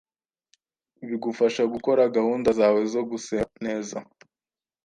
bigufasha gukora gahunda zawe zo gusenga neza